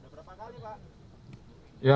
berapa kali pak